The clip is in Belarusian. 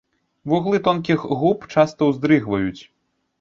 Вуглы тонкіх губ часта уздрыгваюць.